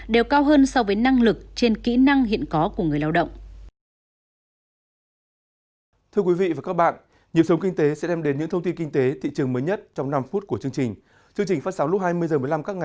đều cao hơn so với năng lực trên kỹ năng hiện có của người lao động